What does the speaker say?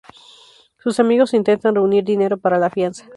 Sus amigos intentan reunir dinero para la fianza.